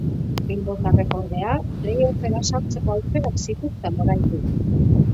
Bilbotarrek, ordea, play-offera sartzeko aukerak zituzten oraindik.